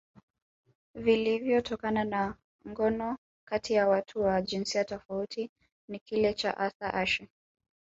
vilivyotokana na ngono kati ya watu wa jinsia tofauti ni kile cha Arthur Ashe